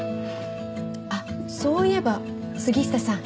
あっそういえば杉下さん